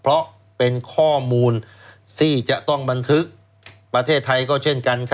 เพราะเป็นข้อมูลที่จะต้องบันทึกประเทศไทยก็เช่นกัน